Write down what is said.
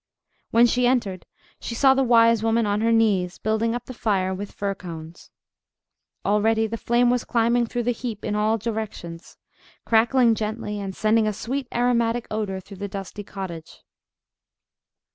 When she entered, she saw the wise woman on her knees, building up the fire with fir cones. Already the flame was climbing through the heap in all directions, crackling gently, and sending a sweet aromatic odor through the dusty cottage.